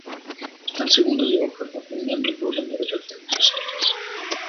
El segundo dibujaba un amplio programa de reformas sociales.